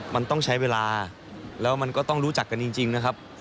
มันต้องใช้เวลาแล้วมันก็ต้องรู้จักกันจริงนะครับ